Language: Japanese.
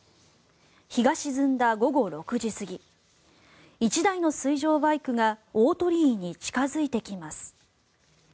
日が沈んだ午後６時過ぎ１台の水上バイクが大鳥居に近付いてきます。